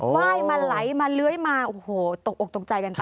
ไหว้มาไหลมาเล้ยมาโอ้โหตกอกตกใจกันค่ะ